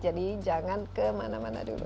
jadi jangan kemana mana dulu